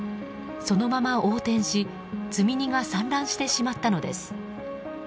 そのまま横転し積み荷が散乱してしまったのです。